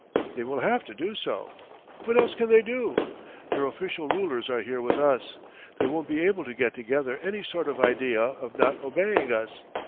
They will have to do so. What else can they do? Their official rulers are here with us. They won't be able to get together any sort of idea of not obeying us....